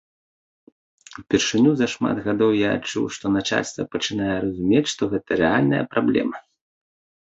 Упершыню за шмат гадоў я адчуў, што начальства пачынае разумець, што гэта рэальная праблема.